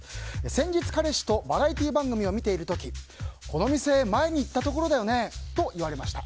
先日、彼氏とバラエティー番組を見ている時この店、前に行ったところだよねと言われました。